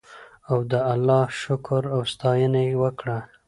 او د الله شکر او ستاینه یې وکړه.